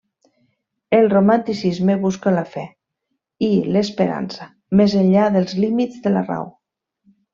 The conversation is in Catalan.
El romanticisme busca la fe i l'esperança més enllà dels límits de la Raó.